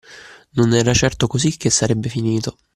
Non era certo così che sarebbe finito.